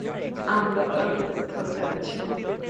আমরা তাহলে কোথাও যাচ্ছি না।